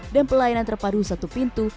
dan pelayanan terpadu satu pintu